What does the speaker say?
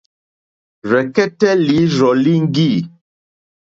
Rzɛ̀kɛ́tɛ́ lǐrzɔ̀ líŋɡî.